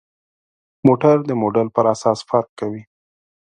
موټر د موډل پر اساس فرق کوي.